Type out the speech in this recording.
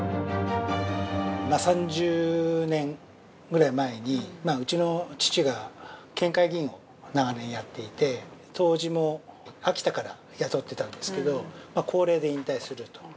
◆３０年ぐらい前にうちの父が県会議員を長年やっていて、杜氏も秋田から雇ってたんですけど高齢で引退すると。